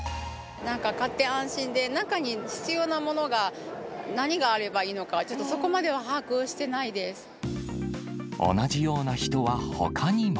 なんか買って安心で、中に必要なものが、何があればいいのか、ちょっとそこまでは把握してない同じような人はほかにも。